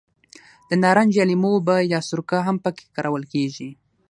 د نارنج یا لیمو اوبه یا سرکه هم په کې کارول کېږي.